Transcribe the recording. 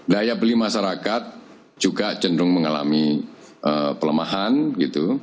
daya beli masyarakat juga cenderung mengalami pelemahan gitu